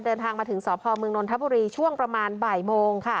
เดินทางมาถึงสพเมืองนนทบุรีช่วงประมาณบ่ายโมงค่ะ